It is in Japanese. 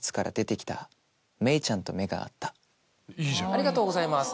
ありがとうございます。